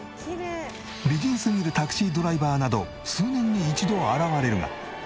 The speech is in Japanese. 美人すぎるタクシードライバーなど数年に一度現れるが。